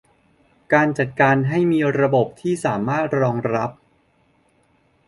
การจัดให้มีระบบที่สามารถรองรับ